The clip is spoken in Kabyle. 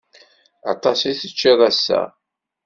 Aṭas i teččiḍ ass-a.